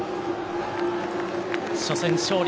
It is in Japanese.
初戦勝利